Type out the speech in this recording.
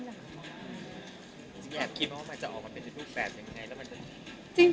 คิดว่ามันจะออกมาเป็นลูกแฟนอย่างไง